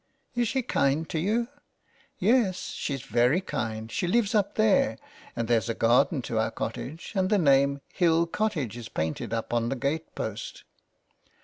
" Is she kind to you ?"" Yes, she's very kind, she Hves up there, and there's a garden to our cottage, and the name ' Hill Cottage * is painted up on the gate post."